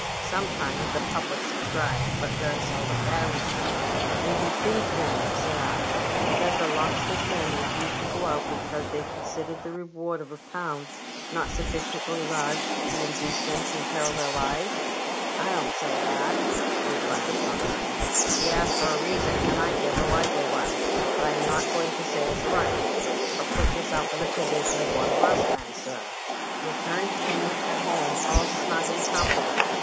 Sometimes the public subscribes, but very seldom — very seldom." " And you think, then," said I, " that the Lowestoft men refused to go out because they considered the reward of a pound not sufficiently large to induce them to imperil their lives ?"" I don't say it was that," responded the coxswain ;" ye ask for a reason, and I give a likely one ; but I'm not going to say it's right. But put yourself in the LIFEBOATS AND THEIB CREWS. 169 position of one of us men, sir. You're turned in at home all snug and comfortable.